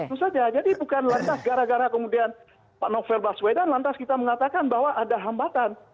itu saja jadi bukan lantas gara gara kemudian pak novel baswedan lantas kita mengatakan bahwa ada hambatan